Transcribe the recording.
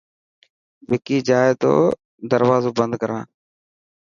وڪي جائي تو دروازو بند ڪران.